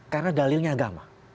karena dalilnya agama